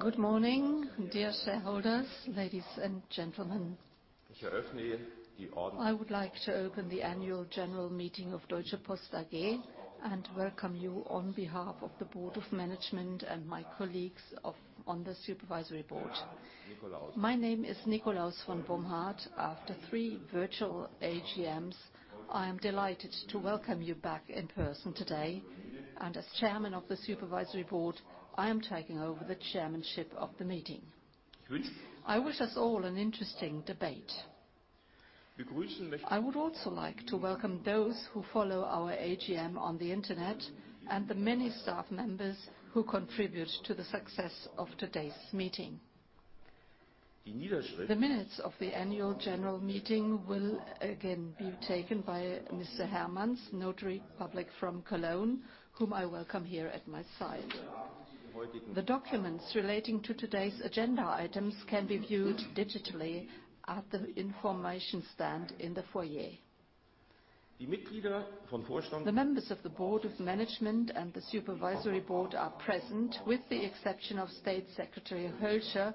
Good morning, dear shareholders, ladies and gentlemen. I would like to open the annual general meeting of Deutsche Post AG, welcome you on behalf of the board of management and my colleagues on the supervisory board. My name is Nikolaus von Bomhard. After 3 virtual AGMs, I am delighted to welcome you back in person today. As chairman of the supervisory board, I am taking over the chairmanship of the meeting. I wish us all an interesting debate. I would also like to welcome those who follow our AGM on the Internet and the many staff members who contribute to the success of today's meeting. The minutes of the annual general meeting will again be taken by Mr. Hermann's Notary Public from Cologne, whom I welcome here at my side. The documents relating to today's agenda items can be viewed digitally at the information stand in the foyer. The members of the board of management and the supervisory board are present, with the exception of State Secretary Hölscher,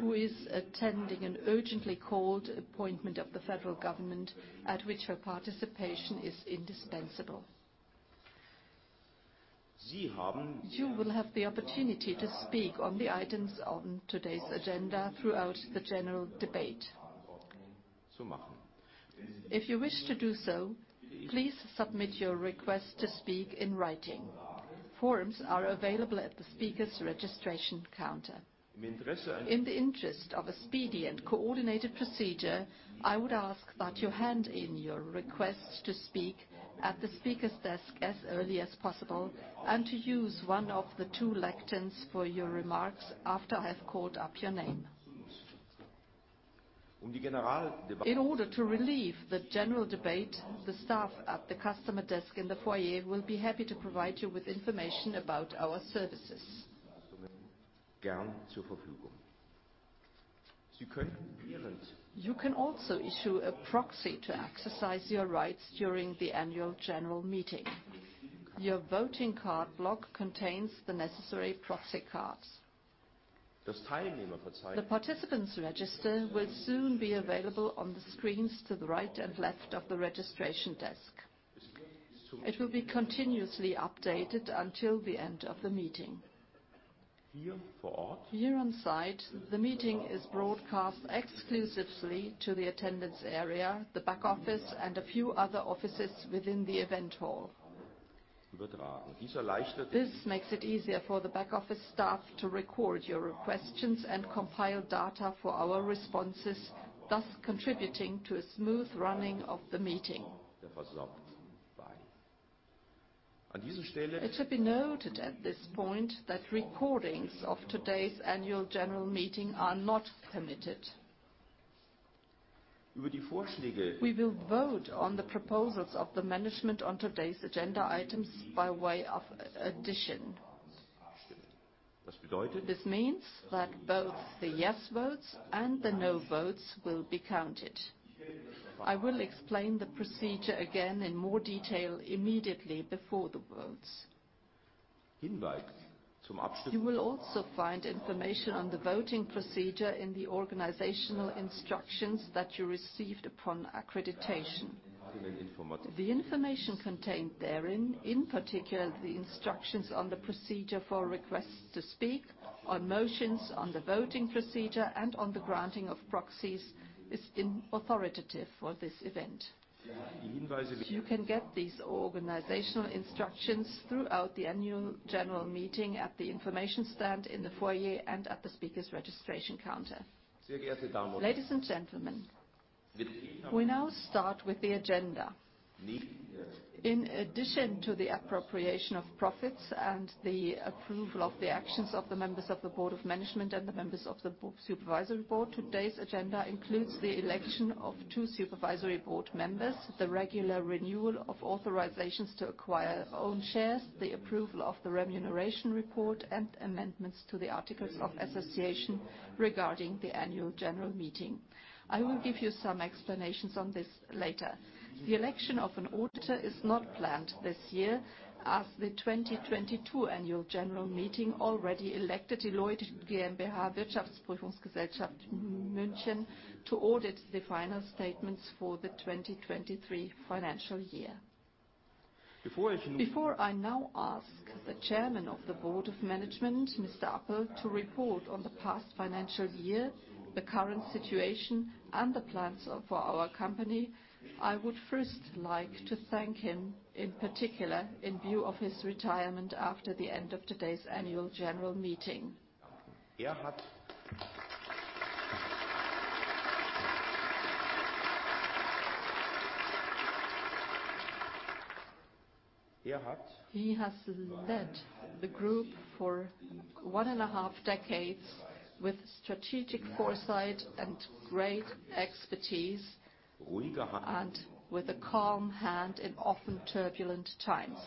who is attending an urgently called appointment of the federal government, at which her participation is indispensable. You will have the opportunity to speak on the items on today's agenda throughout the general debate. If you wish to do so, please submit your request to speak in writing. Forms are available at the speaker's registration counter. In the interest of a speedy and coordinated procedure, I would ask that you hand in your request to speak at the speaker's desk as early as possible, and to use one of the 2 lecterns for your remarks after I have called up your name. In order to relieve the general debate, the staff at the customer desk in the foyer will be happy to provide you with information about our services. You can also issue a proxy to exercise your rights during the annual general meeting. Your voting card block contains the necessary proxy cards. The participants register will soon be available on the screens to the right and left of the registration desk. It will be continuously updated until the end of the meeting. Here on site, the meeting is broadcast exclusively to the attendance area, the back office, and a few other offices within the event hall. This makes it easier for the back office staff to record your questions and compile data for our responses, thus contributing to a smooth running of the meeting. It should be noted at this point that recordings of today's annual general meeting are not permitted. We will vote on the proposals of the management on today's agenda items by way of addition. This means that both the yes votes and the no votes will be counted. I will explain the procedure again in more detail immediately before the votes. You will also find information on the voting procedure in the organizational instructions that you received upon accreditation. The information contained therein, in particular, the instructions on the procedure for requests to speak, on motions, on the voting procedure, and on the granting of proxies, is in authoritative for this event. You can get these organizational instructions throughout the annual general meeting at the information stand in the foyer and at the speaker's registration counter. Ladies and gentlemen, we now start with the agenda. In addition to the appropriation of profits and the approval of the actions of the members of the board of management and the members of the board supervisory board, today's agenda includes the election of 2 supervisory board members, the regular renewal of authorizations to acquire own shares, the approval of the remuneration report, and amendments to the articles of association regarding the annual general meeting. I will give you some explanations on this later. The election of an auditor is not planned this year, as the 2022 annual general meeting already elected Deloitte GmbH to audit the final statements for the 2023 financial year. Before I now ask the Chairman of the Board of Management, Mr. Appel, to report on the past financial year, the current situation, and the plans of our company, I would first like to thank him, in particular, in view of his retirement after the end of today's annual general meeting. He has led the group for one and a half decades with strategic foresight and great expertise, and with a calm hand in often turbulent times.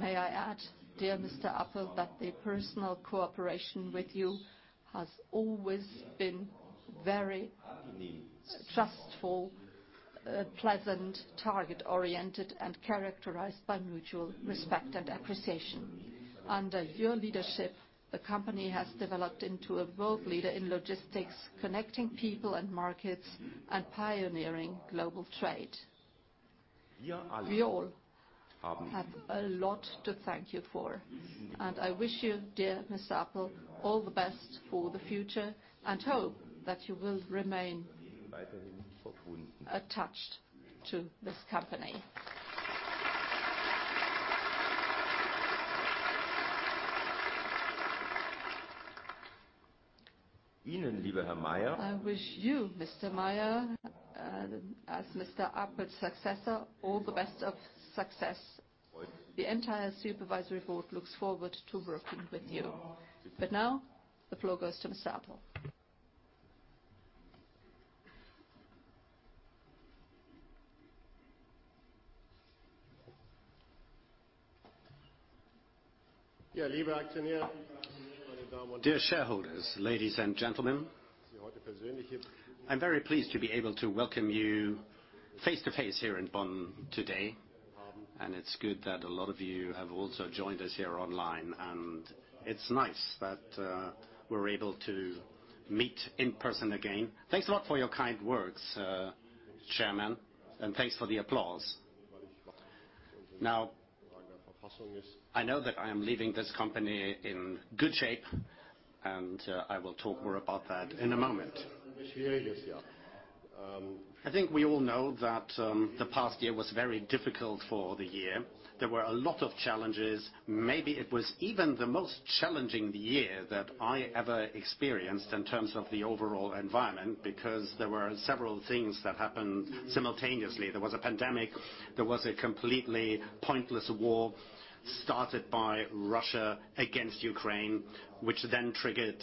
May I add, dear Mr. Appel, that the personal cooperation with you has always been very trustful a pleasant, target-oriented, and characterized by mutual respect and appreciation. Under your leadership, the company has developed into a world leader in logistics, connecting people and markets and pioneering global trade. We all have a lot to thank you for, I wish you, dear Mr. Appel, all the best for the future and hope that you will remain attached to this company. I wish you, Mr. Meier, as Mr. Appel's successor, all the best of success. The entire supervisory board looks forward to working with you. Now the floor goes to Mr. Appel. Dear shareholders, ladies and gentlemen, I'm very pleased to be able to welcome you face-to-face here in Bonn today. It's good that a lot of you have also joined us here online, and it's nice that we're able to meet in person again. Thanks a lot for your kind words, Chairman, and thanks for the applause. Now, I know that I am leaving this company in good shape, and I will talk more about that in a moment. I think we all know that the past year was very difficult for the year. There were a lot of challenges. Maybe it was even the most challenging year that I ever experienced in terms of the overall environment, because there were several things that happened simultaneously. There was a pandemic. There was a completely pointless war started by Russia against Ukraine, which then triggered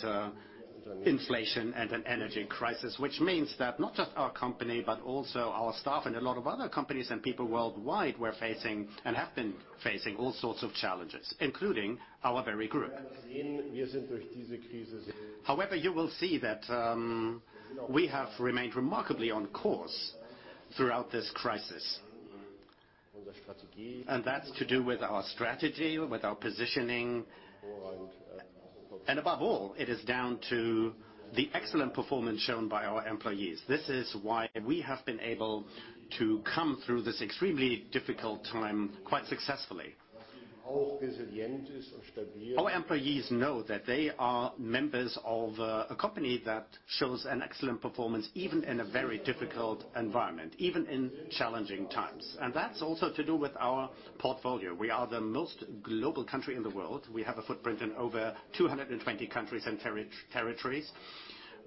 inflation and an energy crisis, which means that not just our company, but also our staff and a lot of other companies and people worldwide were facing and have been facing all sorts of challenges, including our very group. However, you will see that we have remained remarkably on course throughout this crisis. That's to do with our strategy, with our positioning, and above all, it is down to the excellent performance shown by our employees. This is why we have been able to come through this extremely difficult time quite successfully. Our employees know that they are members of a company that shows an excellent performance even in a very difficult environment, even in challenging times. That's also to do with our portfolio. We are the most global country in the world. We have a footprint in over 220 countries and territories.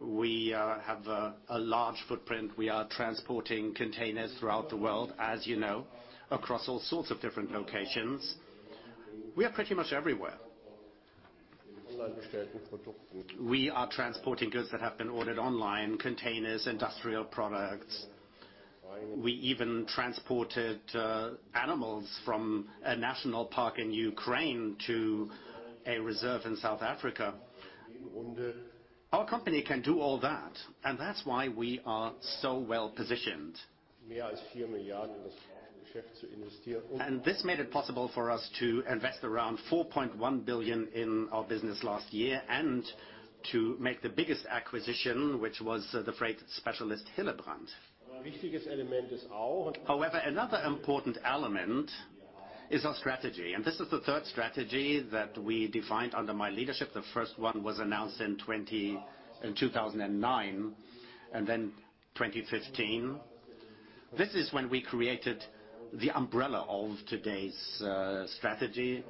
We have a large footprint. We are transporting containers throughout the world, as you know, across all sorts of different locations. We are pretty much everywhere. We are transporting goods that have been ordered online, containers, industrial products. We even transported animals from a national park in Ukraine to a reserve in South Africa. Our company can do all that. That's why we are so well-positioned. This made it possible for us to invest around 4.1 billion in our business last year and to make the biggest acquisition, which was the freight specialist, Hillebrand. However, another important element is our strategy, and this is the third strategy that we defined under my leadership. The first one was announced in 2009, then 2015. This is when we created the umbrella of today's strategy.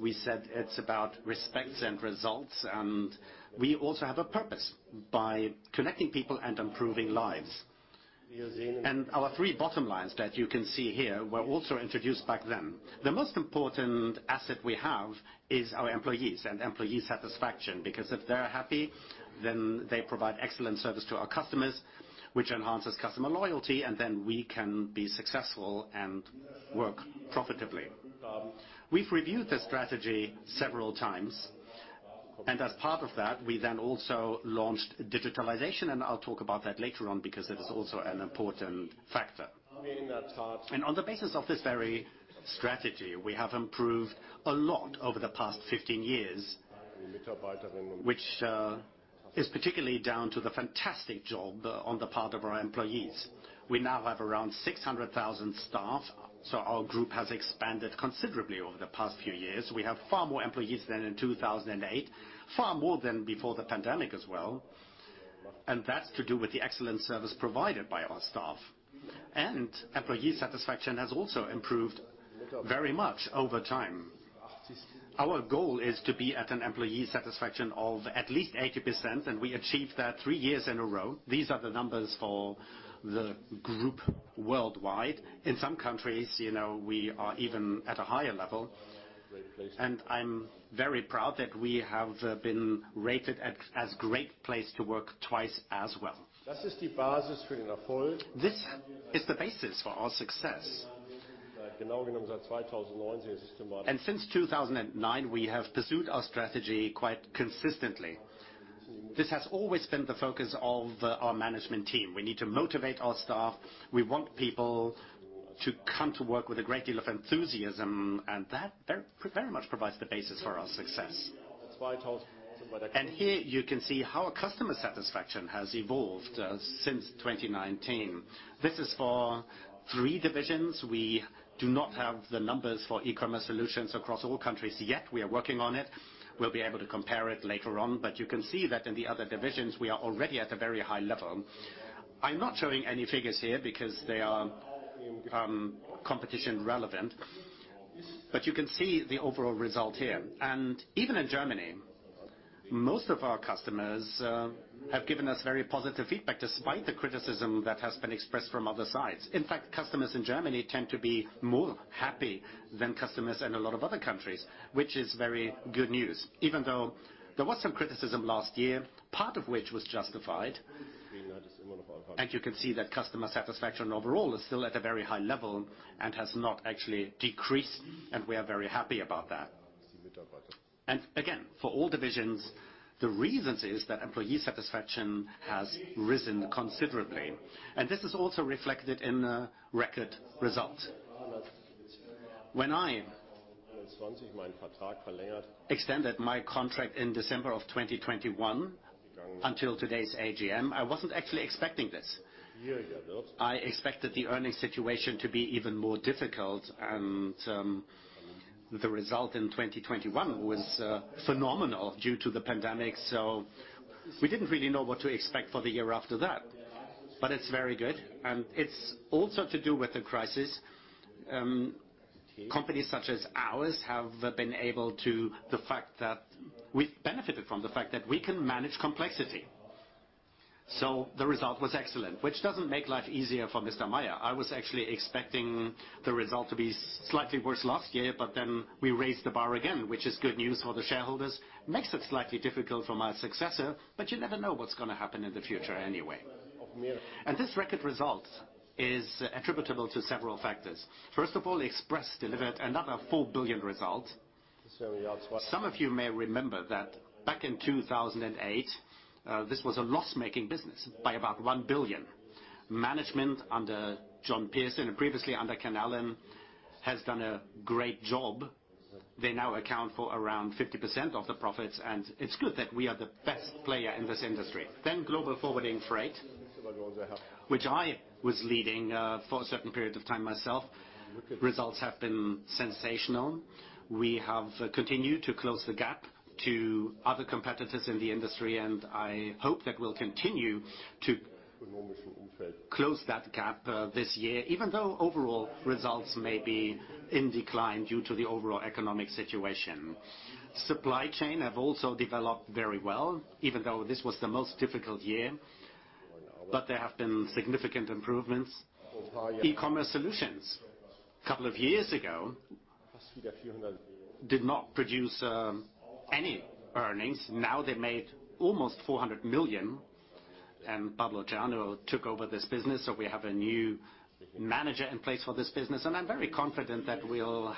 We said it's about respect and results, and we also have a purpose by connecting people and improving lives. Our 3 bottom lines that you can see here were also introduced back then. The most important asset we have is our employees and employee satisfaction, because if they're happy, then they provide excellent service to our customers, which enhances customer loyalty, then we can be successful and work profitably. We've reviewed this strategy several times. As part of that, we then also launched digitalization. I'll talk about that later on because it is also an important factor. On the basis of this very strategy, we have improved a lot over the past 15 years, which is particularly down to the fantastic job on the part of our employees. We now have around 600,000 staff, so our group has expanded considerably over the past few years. We have far more employees than in 2008, far more than before the pandemic as well, and that's to do with the excellent service provided by our staff. Employee satisfaction has also improved very much over time. Our goal is to be at an employee satisfaction of at least 80%, and we achieved that 3 years in a row. These are the numbers for the group worldwide. In some countries, you know, we are even at a higher level, I'm very proud that we have been rated as Great Place to Work twice as well. This is the basis for our success. Since 2009, we have pursued our strategy quite consistently. This has always been the focus of our management team. We need to motivate our staff. We want people to come to work with a great deal of enthusiasm, and that very, very much provides the basis for our success. Here you can see how our customer satisfaction has evolved since 2019. This is for 3 divisions. We do not have the numbers for eCommerce Solutions across all countries yet. We are working on it. We'll be able to compare it later on. You can see that in the other divisions, we are already at a very high level. I'm not showing any figures here because they are competition relevant. You can see the overall result here. Even in Germany, most of our customers have given us very positive feedback, despite the criticism that has been expressed from other sides. In fact, customers in Germany tend to be more happy than customers in a lot of other countries, which is very good news. Even though there was some criticism last year, part of which was justified, and you can see that customer satisfaction overall is still at a very high level and has not actually decreased, and we are very happy about that. Again, for all divisions, the reasons is that employee satisfaction has risen considerably, and this is also reflected in the record result. When I extended my contract in December of 2021 until today's AGM, I wasn't actually expecting this. I expected the earnings situation to be even more difficult. The result in 2021 was phenomenal due to the pandemic, we didn't really know what to expect for the year after that. It's very good, and it's also to do with the crisis. Companies such as ours. The fact that we've benefited from the fact that we can manage complexity. The result was excellent, which doesn't make life easier for Mr. Meyer. I was actually expecting the result to be slightly worse last year. We raised the bar again, which is good news for the shareholders. Makes it slightly difficult for my successor. You never know what's gonna happen in the future anyway. This record result is attributable to several factors. First of all, DHL Express delivered another 4 billion result. Some of you may remember that back in 2008, this was a loss-making business by about 1 billion. Management under John Pearson and previously under Ken Allen has done a great job. They now account for around 50% of the profits, and it's good that we are the best player in this industry. DHL Global Forwarding, Freight, which I was leading for a certain period of time myself. Results have been sensational. We have continued to close the gap to other competitors in the industry, and I hope that we'll continue to close that gap this year, even though overall results may be in decline due to the overall economic situation. Supply chain have also developed very well, even though this was the most difficult year, but there have been significant improvements. E-commerce solutions couple of years ago did not produce any earnings. Now they made almost 400 million, Pablo Ciano took over this business, so we have a new manager in place for this business, and I'm very confident that we'll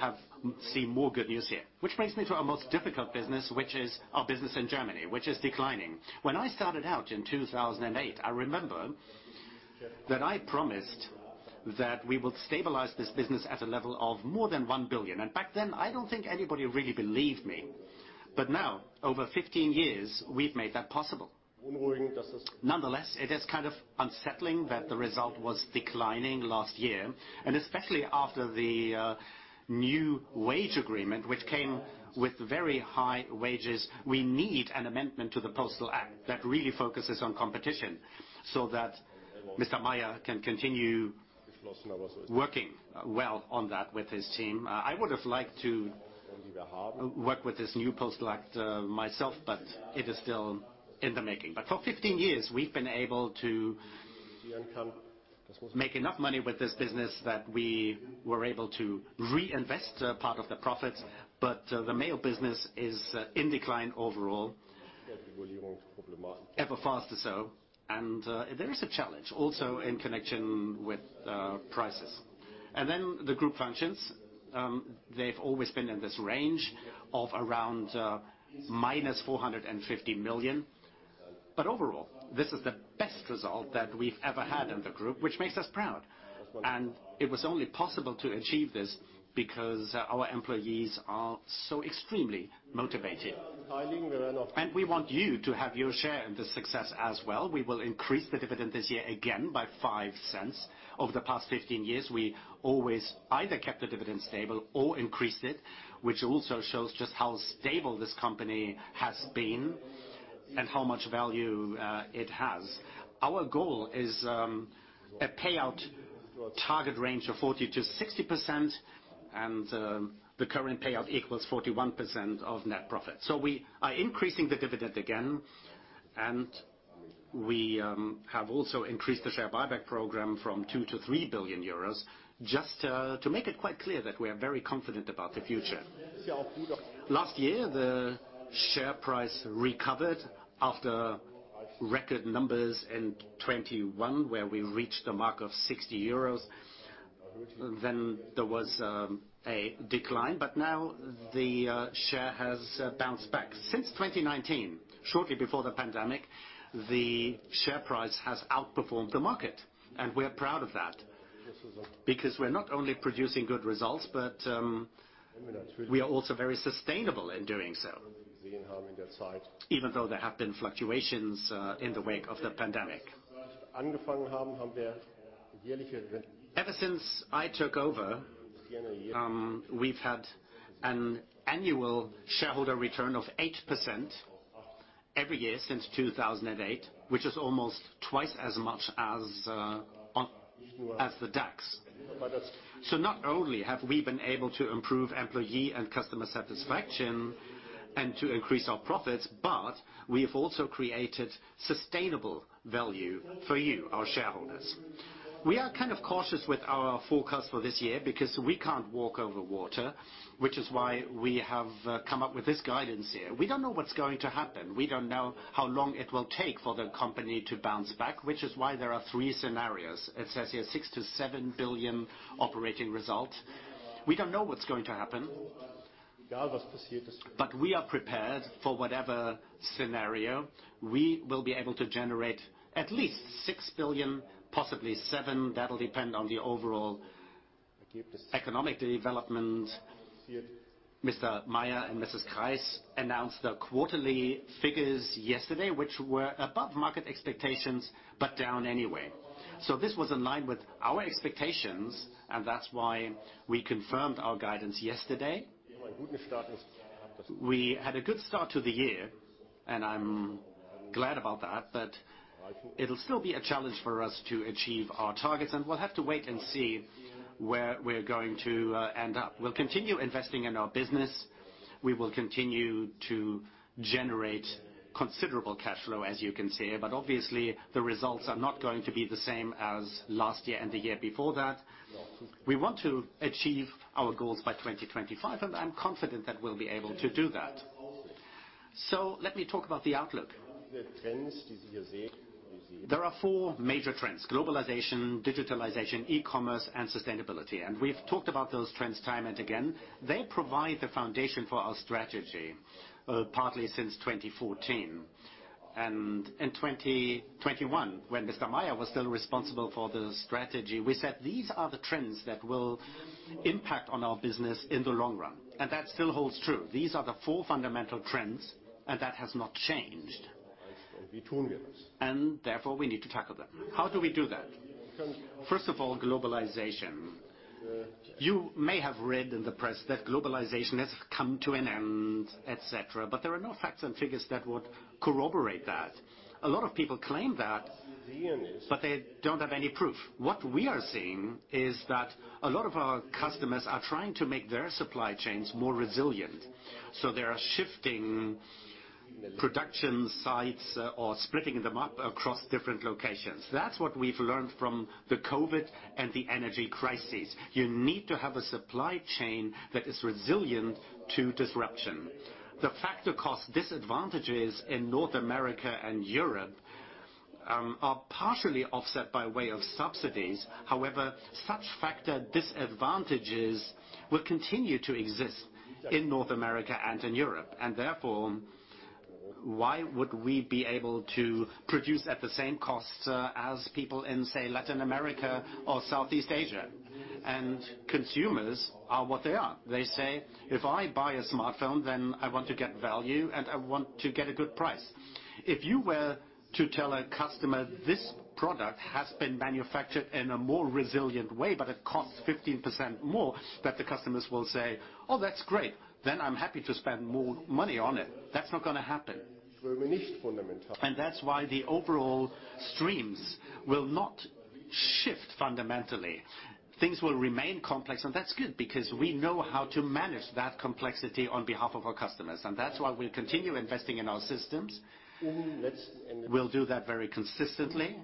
see more good news here. Which brings me to our most difficult business, which is our business in Germany, which is declining. When I started out in 2008, I remember that I promised that we would stabilize this business at a level of more than 1 billion. Back then, I don't think anybody really believed me. Now, over 15 years, we've made that possible. Nonetheless, it is kind of unsettling that the result was declining last year, and especially after the new wage agreement, which came with very high wages. We need an amendment to the Postal Act that really focuses on competition, so that Mr. Meyer can continue working well on that with his team. I would have liked to work with this new Postal Act myself, but it is still in the making. For 15 years, we've been able to make enough money with this business that we were able to reinvest a part of the profits. The mail business is in decline overall. Ever faster so. There is a challenge also in connection with prices. The group functions. They've always been in this range of around minus 450 million. Overall, this is the best result that we've ever had in the group, which makes us proud. It was only possible to achieve this because our employees are so extremely motivated. We want you to have your share in this success as well. We will increase the dividend this year again by 0.05. Over the past 15 years, we always either kept the dividend stable or increased it, which also shows just how stable this company has been and how much value it has. Our goal is a payout target range of 40%-60%, and the current payout equals 41% of net profit. We are increasing the dividend again, and we have also increased the share buyback program from 2 billion-3 billion euros, just to make it quite clear that we are very confident about the future. Last year, the share price recovered after record numbers in 2021, where we reached the mark of 60 euros. There was a decline, but now the share has bounced back. Since 2019, shortly before the pandemic, the share price has outperformed the market, and we're proud of that because we're not only producing good results, but we are also very sustainable in doing so, even though there have been fluctuations in the wake of the pandemic. Ever since I took over, we've had an annual shareholder return of 8% every year since 2008, which is almost twice as much as the DAX. Not only have we been able to improve employee and customer satisfaction and to increase our profits, but we have also created sustainable value for you, our shareholders. We are kind of cautious with our forecast for this year because we can't walk over water, which is why we have come up with this guidance here. We don't know what's going to happen. We don't know how long it will take for the company to bounce back, which is why there are 3 scenarios. It says here 6 billion-7 billion operating result. We don't know what's going to happen. We are prepared for whatever scenario. We will be able to generate at least 6 billion, possibly 7 billion. That'll depend on the overall economic development. Mr. Meier and Mrs. Kreis announced the quarterly figures yesterday, which were above market expectations, down anyway. This was in line with our expectations, and that's why we confirmed our guidance yesterday. We had a good start to the year, and I'm glad about that. It'll still be a challenge for us to achieve our targets, and we'll have to wait and see where we're going to end up. We'll continue investing in our business. We will continue to generate considerable cash flow, as you can see. Obviously, the results are not going to be the same as last year and the year before that. We want to achieve our goals by 2025, and I'm confident that we'll be able to do that. Let me talk about the outlook. There are 4 major trends: globalization, digitalization, e-commerce, and sustainability. We've talked about those trends time and again. They provide the foundation for our strategy, partly since 2014. In 2021, when Mr. Meier was still responsible for the strategy, we said these are the trends that will impact on our business in the long run. That still holds true. These are the 4 fundamental trends, and that has not changed. Therefore, we need to tackle them. How do we do that? First of all, globalization. You may have read in the press that globalization has come to an end, et cetera. There are no facts and figures that would corroborate that. A lot of people claim that, but they don't have any proof. What we are seeing is that a lot of our customers are trying to make their supply chains more resilient. They are shifting production sites or splitting them up across different locations. That's what we've learned from the COVID and the energy crisis. You need to have a supply chain that is resilient to disruption. The factor cost disadvantages in North America and Europe are partially offset by way of subsidies. However, such factor disadvantages will continue to exist in North America and in Europe. Therefore, why would we be able to produce at the same cost as people in, say, Latin America or Southeast Asia? Consumers are what they are. They say, "If I buy a smartphone, then I want to get value, and I want to get a good price." If you were to tell a customer, "This product has been manufactured in a more resilient way, but it costs 15% more," that the customers will say, "Oh, that's great. Then I'm happy to spend more money on it." That's not gonna happen. That's why the overall streams will not shift fundamentally. Things will remain complex, and that's good because we know how to manage that complexity on behalf of our customers. That's why we'll continue investing in our systems. We'll do that very consistently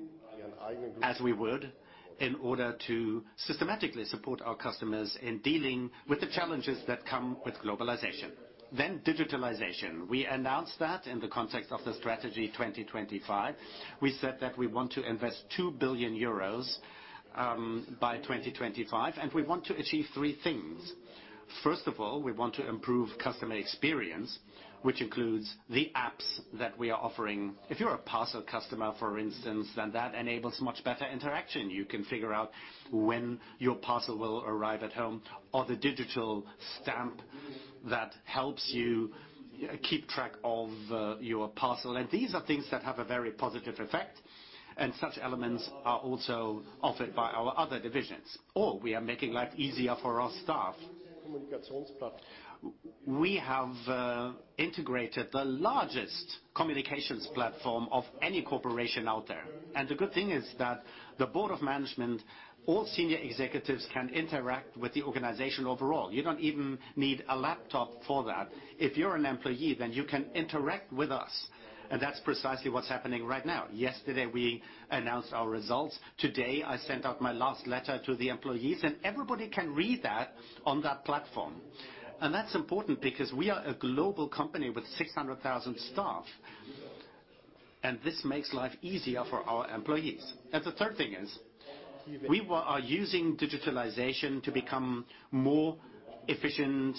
as we would in order to systematically support our customers in dealing with the challenges that come with globalization. Digitalization. We announced that in the context of the Strategy 2025. We said that we want to invest 2 billion euros by 2025, and we want to achieve 3 things. First of all, we want to improve customer experience, which includes the apps that we are offering. If you're a parcel customer, for instance, then that enables much better interaction. You can figure out when your parcel will arrive at home or the digital stamp that helps you keep track of your parcel. These are things that have a very positive effect, and such elements are also offered by our other divisions, or we are making life easier for our staff. We have integrated the largest communications platform of any corporation out there. The good thing is that the board of management, all senior executives can interact with the organization overall. You don't even need a laptop for that. If you're an employee, you can interact with us, and that's precisely what's happening right now. Yesterday, we announced our results. Today, I sent out my last letter to the employees, everybody can read that on that platform. That's important because we are a global company with 600,000 staff. This makes life easier for our employees. The third thing is, we are using digitalization to become more efficient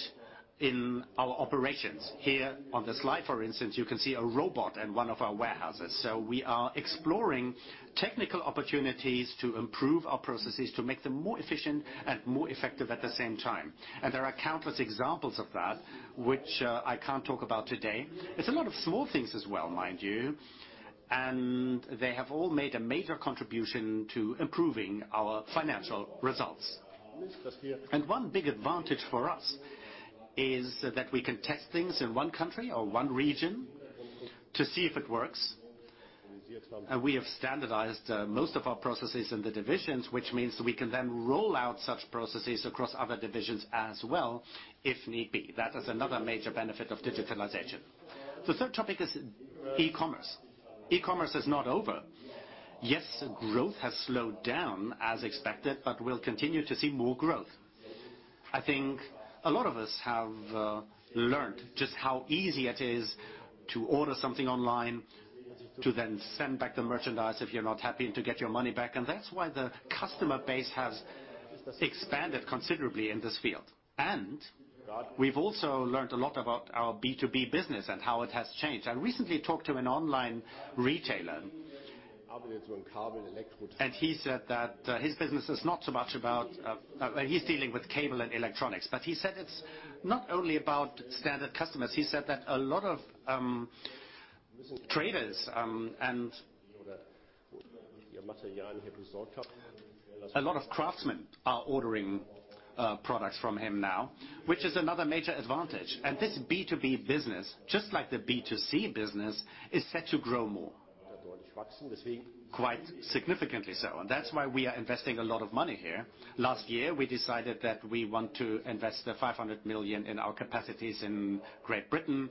in our operations. Here on the slide, for instance, you can see a robot in one of our warehouses. We are exploring technical opportunities to improve our processes, to make them more efficient and more effective at the same time. There are countless examples of that which I can't talk about today. It's a lot of small things as well, mind you. They have all made a major contribution to improving our financial results. One big advantage for us is that we can test things in one country or one region to see if it works. We have standardized most of our processes in the divisions, which means we can then roll out such processes across other divisions as well, if need be. That is another major benefit of digitalization. The third topic is e-commerce. E-commerce is not over. Yes, growth has slowed down as expected, but we'll continue to see more growth. I think a lot of us have learned just how easy it is to order something online, to then send back the merchandise if you're not happy and to get your money back. That's why the customer base has expanded considerably in this field. We've also learned a lot about our B2B business and how it has changed. I recently talked to an online retailer, and he said that his business is not so much about. He's dealing with cable and electronics. He said it's not only about standard customers. He said that a lot of traders, and a lot of craftsmen are ordering products from him now, which is another major advantage. This B2B business, just like the B2C business, is set to grow more, quite significantly so. That's why we are investing a lot of money here. Last year, we decided that we want to invest 500 million in our capacities in Great Britain.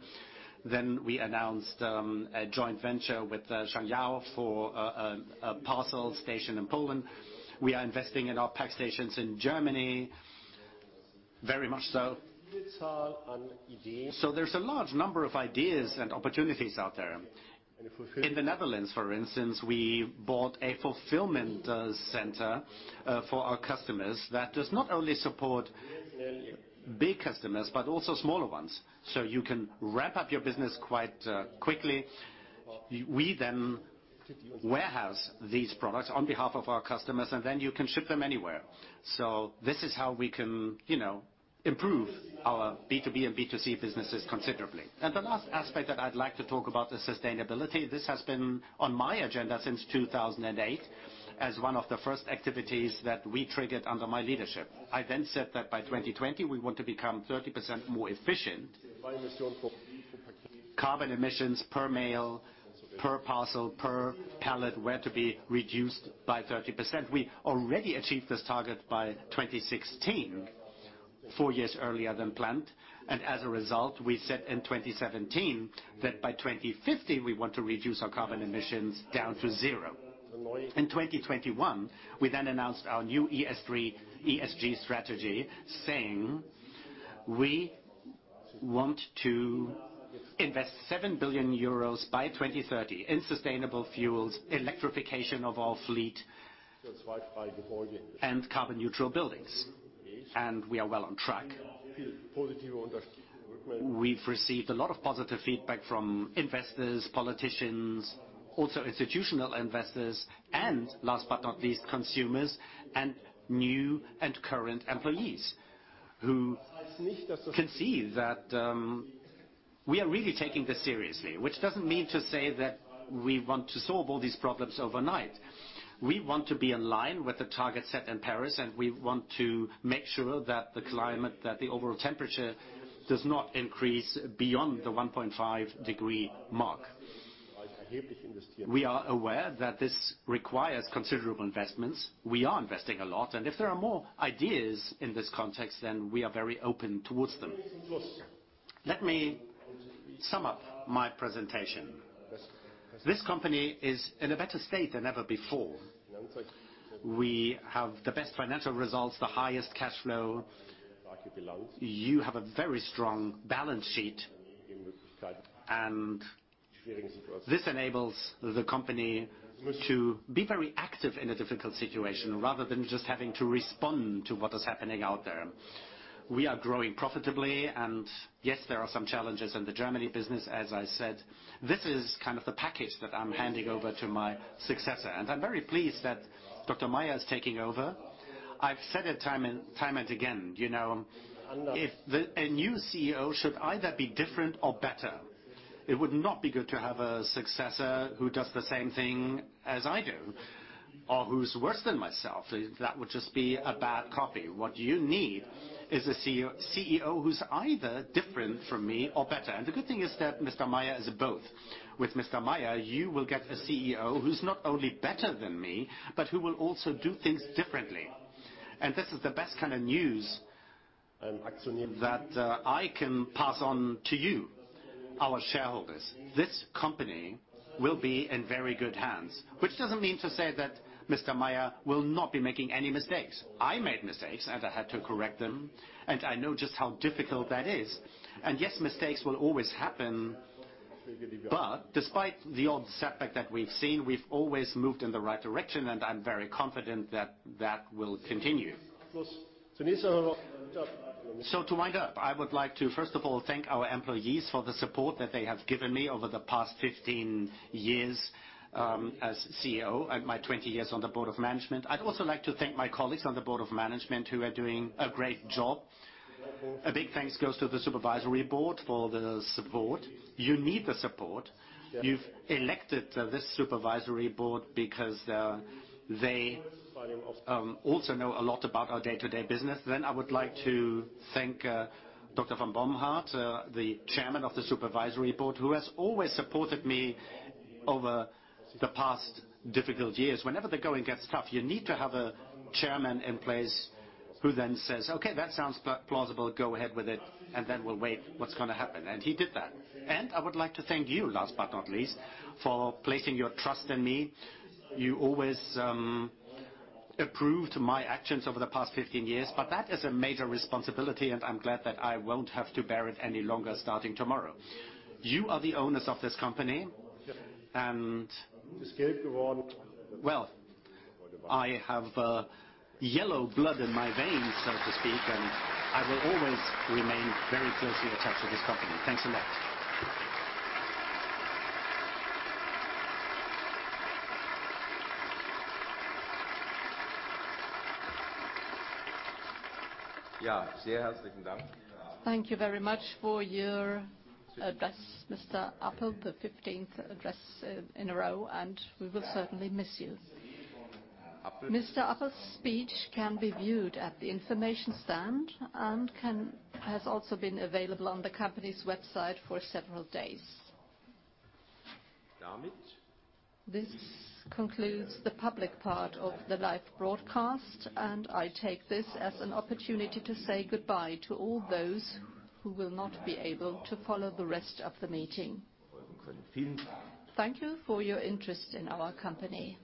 We announced a joint venture with Shangyao for a parcel station in Poland. We are investing in our Packstations in Germany, very much so. There's a large number of ideas and opportunities out there. In the Netherlands, for instance, we bought a fulfillment center for our customers that does not only support big customers, but also smaller ones. You can wrap up your business quite quickly. We then warehouse these products on behalf of our customers, and then you can ship them anywhere. This is how we can, you know, improve our B2B and B2C businesses considerably. The last aspect that I'd like to talk about is sustainability. This has been on my agenda since 2008 as one of the first activities that we triggered under my leadership. I said that by 2020, we want to become 30% more efficient. Carbon emissions per mail, per parcel, per pallet were to be reduced by 30%. We already achieved this target by 2016, 4 years earlier than planned. As a result, we said in 2017 that by 2050, we want to reduce our carbon emissions down to zero. In 2021, we announced our new ESG strategy saying we want to invest 7 billion euros by 2030 in sustainable fuels, electrification of our fleet, and carbon-neutral buildings. We are well on track. We've received a lot of positive feedback from investors, politicians, also institutional investors, and last but not least, consumers and new and current employees who can see that we are really taking this seriously. Which doesn't mean to say that we want to solve all these problems overnight. We want to be in line with the target set in Paris, and we want to make sure that the climate, that the overall temperature does not increase beyond the 1.5 degree mark. We are aware that this requires considerable investments. We are investing a lot, and if there are more ideas in this context, then we are very open towards them. Let me sum up my presentation. This company is in a better state than ever before. We have the best financial results, the highest cash flow. You have a very strong balance sheet. This enables the company to be very active in a difficult situation rather than just having to respond to what is happening out there. We are growing profitably. Yes, there are some challenges in the Germany business, as I said. This is kind of the package that I'm handing over to my successor. I'm very pleased that Dr. Meyer is taking over. I've said it time and again, you know, if a new CEO should either be different or better. It would not be good to have a successor who does the same thing as I do or who's worse than myself. That would just be a bad copy. What you need is a CEO who's either different from me or better. The good thing is that Mr. Meyer is both. With Mr. Meyer, you will get a CEO who's not only better than me, but who will also do things differently. This is the best kind of news that I can pass on to you, our shareholders. This company will be in very good hands. Which doesn't mean to say that Mr. Meyer will not be making any mistakes. I made mistakes, and I had to correct them, and I know just how difficult that is. Yes, mistakes will always happen. But despite the odd setback that we've seen, we've always moved in the right direction, and I'm very confident that that will continue. To wind up, I would like to first of all thank our employees for the support that they have given me over the past 15 years, as CEO and my 20 years on the board of management. I'd also like to thank my colleagues on the board of management who are doing a great job. A big thanks goes to the supervisory board for the support. You need the support. You've elected this supervisory board because they also know a lot about our day-to-day business. I would like to thank Dr. Von Bomhard, the Chairman of the Supervisory Board, who has always supported me over the past difficult years. Whenever the going gets tough, you need to have a chairman in place who then says, "Okay, that sounds plausible. Go ahead with it, and then we'll wait what's gonna happen." He did that. I would like to thank you, last but not least, for placing your trust in me. You always approved my actions over the past 15 years, but that is a major responsibility, and I'm glad that I won't have to bear it any longer starting tomorrow. You are the owners of this company, and, well, I have yellow blood in my veins, so to speak, and I will always remain very closely attached to this company. Thanks a lot. Thank you very much for your address, Mr. Appel, the 15th address in a row, and we will certainly miss you. Mr. Appel's speech can be viewed at the information stand and has also been available on the company's website for several days. This concludes the public part of the live broadcast, and I take this as an opportunity to say goodbye to all those who will not be able to follow the rest of the meeting. Thank you for your interest in our company.